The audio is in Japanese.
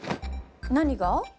何が？